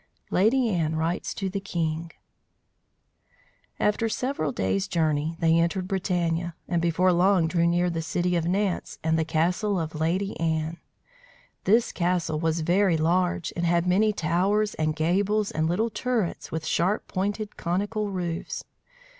LADY ANNE WRITES TO THE KING AFTER several days' journey they entered Bretagne, and before long drew near to the city of Nantes and the castle of Lady Anne. This castle was very large, and had many towers and gables and little turrets with sharp pointed, conical roofs.